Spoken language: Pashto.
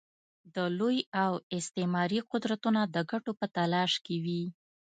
د لوی او استعماري قدرتونه د ګټو په تلاښ کې وي.